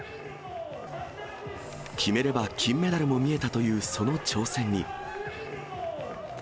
決めれば金メダルも見えたというその挑戦に。